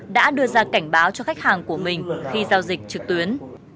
đã đưa ra cảnh báo cho khách hàng của mình khi giao dịch trực tuyến